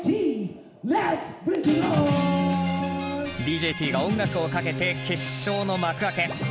ＤＪＴＥＥが音楽をかけて決勝の幕開け。